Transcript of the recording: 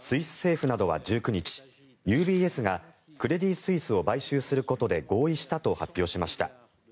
スイス政府などは１９日ＵＢＳがクレディ・スイスを買収することで合意したと発表しました。